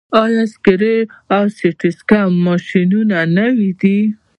آیا اکسرې او سټي سکن ماشینونه نوي دي؟